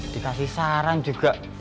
dikasih saran juga